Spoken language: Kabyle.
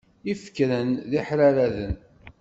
Ifekren d iḥraraden.